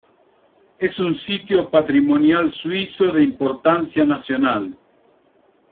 Es un sitio patrimonial suizo de importancia nacional.